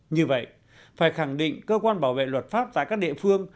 như vậy phải khẳng định cơ quan bảo vệ luật pháp tại các địa phương